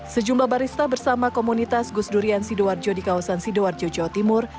sejumlah barista bersama komunitas gus durian sidoarjo di kawasan sidoarjo jawa timur